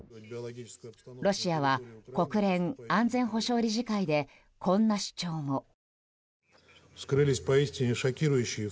ロシアは国連安全保障理事会でこんな主張も。